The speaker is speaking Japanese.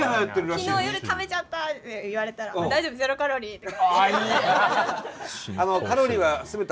「昨日夜食べちゃった」って言われたら「大丈夫ゼロカロリー」って。